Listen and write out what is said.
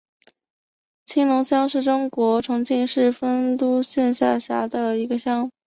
青龙乡是中国重庆市丰都县下辖的一个乡。